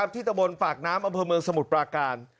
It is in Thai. ตะบนปากน้ำอำเภอเมืองสมุทรปราการ